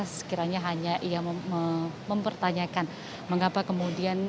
sekiranya hanya ia mempertanyakan mengapa kemudian